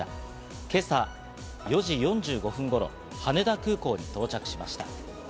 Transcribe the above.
今朝４時４５分頃、羽田空港に到着しました。